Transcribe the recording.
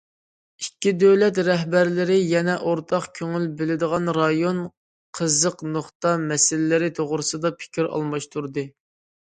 ئىككى دۆلەت رەھبەرلىرى يەنە ئورتاق كۆڭۈل بۆلىدىغان رايون قىزىق نۇقتا مەسىلىلىرى توغرىسىدا پىكىر ئالماشتۇردى.